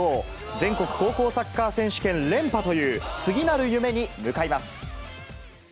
全国高校サッカー選手権連覇という、次なる夢に向かいます。